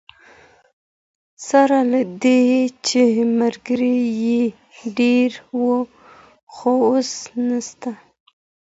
سره له دې چي ملګري یې ډیر وو خو اوس نسته.